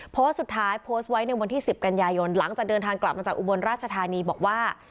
โพสต์สุดท้ายโพสต์ไว้ในวันที่๑๐กันยายนหลังจากเดินทางกลับมาจากอุบลราชธานีบอกว่า